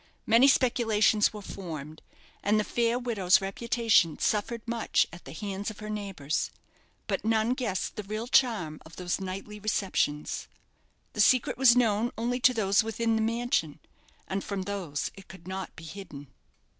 Many speculations were formed, and the fair widow's reputation suffered much at the hands of her neighbours; but none guessed the real charm of those nightly receptions. That secret was known only to those within the mansion; and from those it could not be hidden.